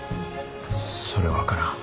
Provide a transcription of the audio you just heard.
それは分からん。